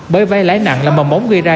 bởi vai lái nặng là mầm ống gây ra